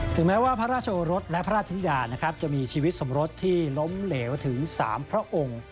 แม้ว่าพระราชโอรสและพระราชนิดานะครับจะมีชีวิตสมรสที่ล้มเหลวถึง๓พระองค์